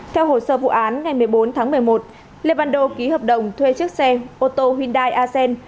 theo hồ sơ vụ án ngày một mươi bốn tháng một mươi một lê văn đô ký hợp đồng thuê chiếc xe ô tô hyundai asen